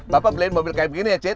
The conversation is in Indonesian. bapak beli mobil kayak begini ya cid